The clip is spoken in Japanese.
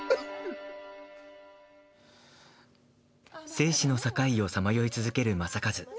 生死の境をさまよい続ける正一。